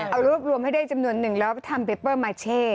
เอารูปรวมให้ได้ประมาณจำนวนหนึ่งแล้วทำแปเปอมาเชศ